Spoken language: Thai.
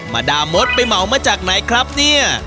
ดามดไปเหมามาจากไหนครับเนี่ย